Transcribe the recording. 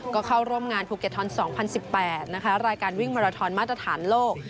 ก็เข้าร่วมงานภูเก็ตทอน๒๐๑๘นะคะรายการวิ่งมาราทอนมาตรฐานโลก